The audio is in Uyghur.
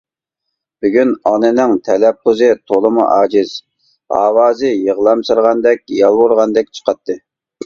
بۈگۈن ئانىنىڭ تەلەپپۇزى تولىمۇ ئاجىز، ئاۋازى يىغلامسىرىغاندەك، يالۋۇرغاندەك چىقاتتى.